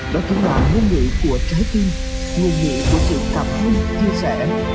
đó chính là nguồn nghĩa của trái tim nguồn nghĩa của sự cảm hứng chia sẻ